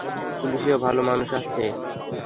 পুলিশেও ভালো মানুষ আছে।